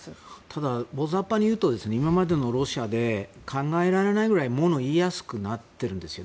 ただ大ざっぱにいうと今までのロシアで考えられないくらい、ものを言いやすくなってるんですよ。